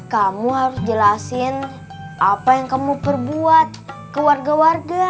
kamu harus jelasin apa yang kamu perbuat ke warga warga